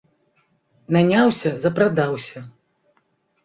Наняўся ‒ запрадаўся